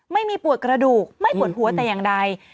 ไม่มีปวดกระดูกไม่ปวดหัวแต่อย่างใด